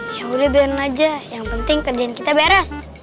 ya udah biarin aja yang penting kerjaan kita beres